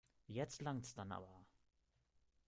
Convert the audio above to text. Jetzt langts dann aber.